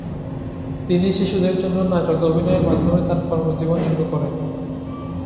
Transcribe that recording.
তিনি শিশুদের জন্য নাটকে অভিনয়ের মাধ্যমে তার কর্মজীবন শুরু করেন।